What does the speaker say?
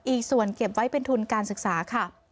อีกส่วนเก็บไว้เป็นทุนการศึกษาค่ะ